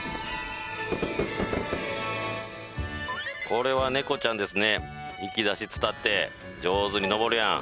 これは猫ちゃんですね引き出し伝って上手に登るやん